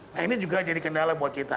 nah ini juga jadi kendala buat kita